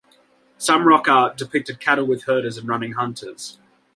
Some rock art depicted cattle with herders and running hunters.